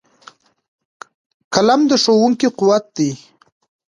قلم د ښوونکو قوت دی